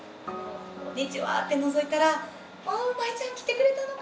こんにちはってのぞいたら「麻恵ちゃん来てくれたのか！